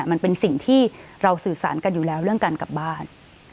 มันเป็นสิ่งที่เราสื่อสารกันอยู่แล้วเรื่องการกลับบ้าน